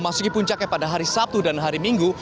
masuki puncaknya pada hari sabtu dan hari minggu